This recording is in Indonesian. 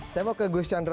saya mau ke goss yadar